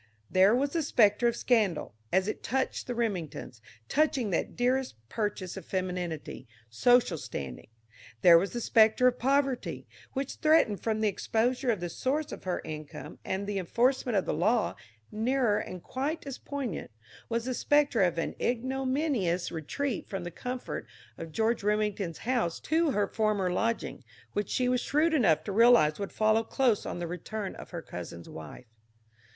There was the specter of scandal, as it touched the Remingtons, touching that dearest purchase of femininity, social standing; there was the specter of poverty, which threatened from the exposure of the source of her income and the enforcement of the law; nearer and quite as poignant, was the specter of an ignominious retreat from the comfort of George Remington's house to her former lodging, which she was shrewd enough to realize would follow close on the return of her cousin's wife.